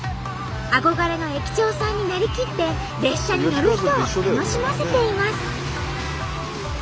憧れの駅長さんになりきって列車に乗る人を楽しませています。